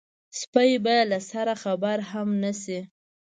سپۍ به له سره خبره هم نه شي.